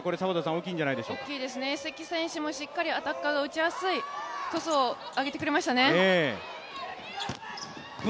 大きいですね、関選手もしっかりアタッカーが打ちやすいトスを上げてくれましたね。